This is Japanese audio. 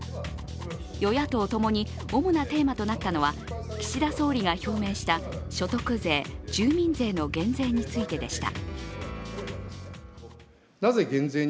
与野党とともに主なテーマとなったのは、岸田総理が表明した所得税、住民税の減税についてでした。